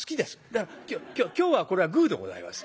だから今日はこれはグーでございます。